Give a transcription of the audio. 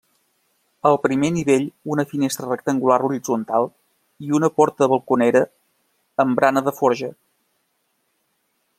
Al primer nivell una finestra rectangular horitzontal i una porta balconera amb barana de forja.